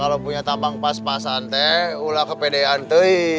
kalau punya tabang pas pasan teh ulah kepedean tuh